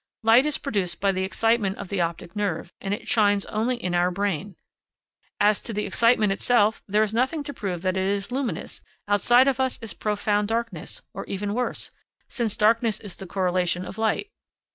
Light is produced by the excitement of the optic nerve, and it shines only in our brain; as to the excitement itself, there is nothing to prove that it is luminous; outside of us is profound darkness, or even worse, since darkness is the correlation of light.